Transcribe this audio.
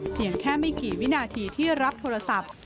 เพียงแค่ไม่กี่วินาทีที่รับโทรศัพท์